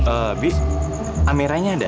eh bik ameranya ada